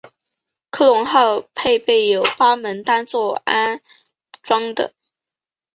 科隆号配备有八门单座安装的。